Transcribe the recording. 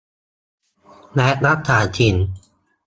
และรักษาศีล